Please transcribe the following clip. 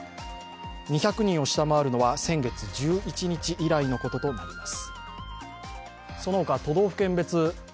２００人を下回るのは先月１１日以来のこととなります。